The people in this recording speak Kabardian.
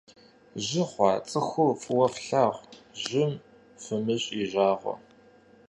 Жьы хъуа цӏыхур фӏыуэ флъагъу, жьым фымыщӏ и жагъуэ.